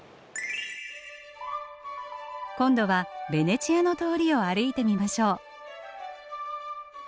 今度はベネチアの通りを歩いてみましょう。